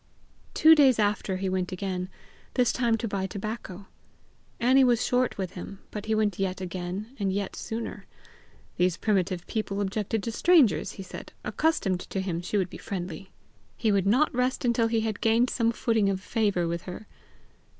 Two days after, he went again this time to buy tobacco. Annie was short with him, but he went yet again and yet sooner: these primitive people objected to strangers, he said; accustomed to him she would be friendly! he would not rest until he had gained some footing of favour with her!